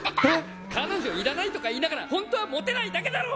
「彼女いらない」とか言いながらホントはモテないだけだろ！